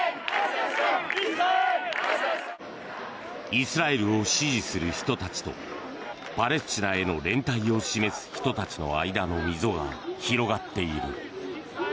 イスラエルを支持する人たちとパレスチナへの連帯を示す人たちの間の溝が広がっている。